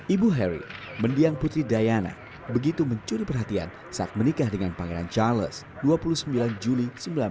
ibu harry mendiang putri diana begitu mencuri perhatian saat menikah dengan pangeran charles dua puluh sembilan juli seribu sembilan ratus sembilan puluh